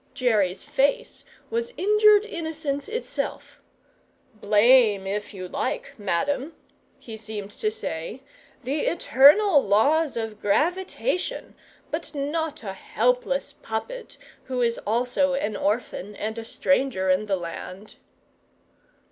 Jerry's face was injured innocence itself. "Blame if you like, Madam," he seemed to say, "the eternal laws of gravitation, but not a helpless puppet, who is also an orphan and a stranger in the land."